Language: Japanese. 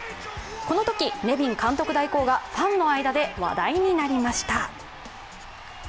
このときネビン監督代行がファンの間で話題になりました。